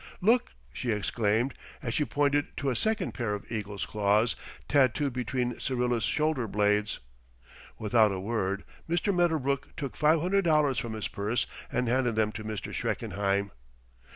"Look!" she exclaimed, and she pointed to a second pair of eagle's claws tattooed between Syrilla's shoulder blades. Without a word Mr. Medderbrook took five hundred dollars from his purse and handed them to Mr. Schreckenheim.